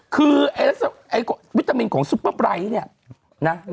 คือไอ้วิตามินของซุปเปอร์ไบร์ทเนี่ยนะ